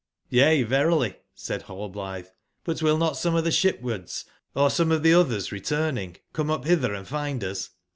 JP ''Y^a, verily,'' eaid Rallblitbc; '' but will not some of tbc sbip/wards, or some of tbc otbcrs returning, come up bitber and find us